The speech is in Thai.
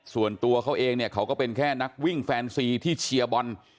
ส่วนตัวเขาเองเนี่ยเขาก็เป็นแค่นักวิ่งแฟนซีที่เชียร์บอล